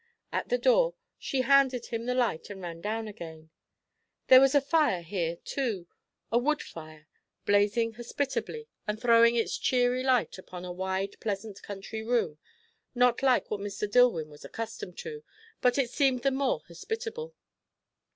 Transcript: At the door she handed him the light and ran down again. There was a fire here too a wood fire; blazing hospitably, and throwing its cheery light upon a wide, pleasant, country room, not like what Mr. Dillwyn was accustomed to, but it seemed the more hospitable.